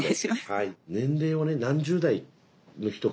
はい。